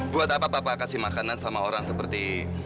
buat apa bapak kasih makanan sama orang seperti